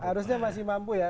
harusnya masih mampu ya